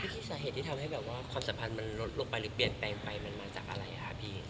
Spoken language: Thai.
ที่สาเหตุที่ทำให้แบบว่าความสัมพันธ์มันลดลงไปหรือเปลี่ยนแปลงไปมันมาจากอะไรคะพี่